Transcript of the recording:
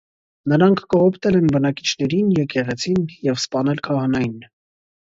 Նրանք կողոպտել են բնակիչներին, եկեղեցին և սպանել քահանային։